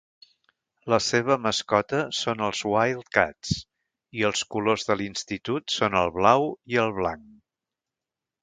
La seva mascota són els Wildcats i els colors de l'institut són el blau i el blanc.